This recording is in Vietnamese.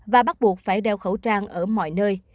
và bắt buộc phải đeo khẩu trang ở mọi nơi